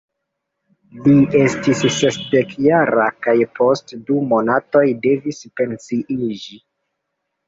Li estis sesdekjara kaj post du monatoj devis pensiiĝi.